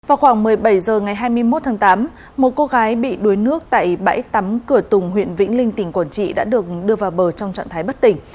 vào khoảng một mươi bảy h ngày hai mươi một tháng tám một cô gái bị đuối nước tại bãi tắm cửa tùng huyện vĩnh linh tỉnh quảng trị đã được đưa vào bờ trong trạng thái bất tỉnh